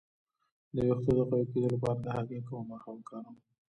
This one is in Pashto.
د ویښتو د قوي کیدو لپاره د هګۍ کومه برخه وکاروم؟